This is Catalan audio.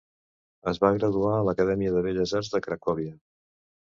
Es va graduar a l'Acadèmia de Belles Arts de Cracòvia.